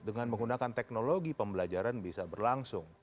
dengan menggunakan teknologi pembelajaran bisa berlangsung